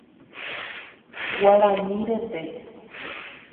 Guarani rete.